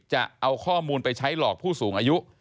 จะเอาข้อมูลไปใช้หลอกผู้สูงอายุ